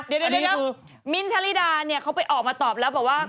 เดี๋ยวมิ้นท์ชะลิดาเนี่ยเขาไปออกมาตอบแล้วบอกว่า